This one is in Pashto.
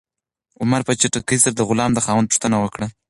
عمر په چټکۍ سره د غلام د خاوند پوښتنه وکړه.